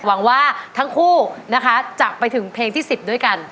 หวังว่าทั้งคู่นะคะจะไปถึงเพลงที่๑๐ด้วยกัน